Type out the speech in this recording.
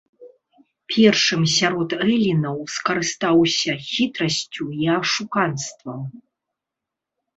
Першым сярод элінаў скарыстаўся хітрасцю і ашуканствам.